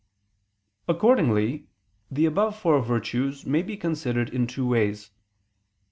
Accordingly the above four virtues may be considered in two ways.